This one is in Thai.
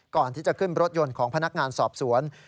ก่อนที่จะขึ้นรถยนต์ของพนักงานสอบสวน